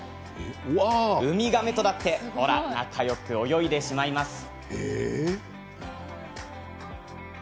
ウミガメとだってほら、仲よく泳いでしまいます。